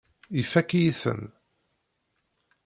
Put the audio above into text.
Ifakk-iyi-ten.